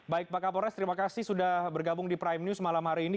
baik pak kapolres terima kasih sudah bergabung di prime news malam hari ini